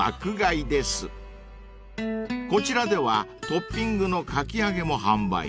［こちらではトッピングのかき揚げも販売］